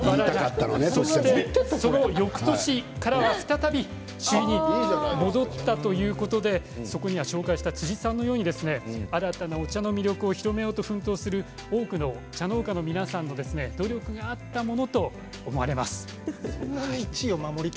そのよくとしからは再び静岡が首位に戻ったということでそこには今日紹介した辻さんのように新たなお茶の魅力を広めようと奮闘する多くの茶農家の皆さんの努力があったものと思われます。